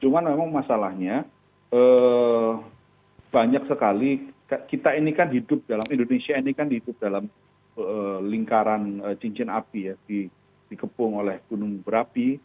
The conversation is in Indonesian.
cuma memang masalahnya banyak sekali kita ini kan hidup dalam indonesia ini kan hidup dalam lingkaran cincin api ya dikepung oleh gunung berapi